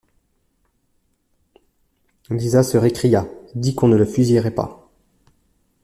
Lisa se récria, dit qu’on ne le fusillerait pas.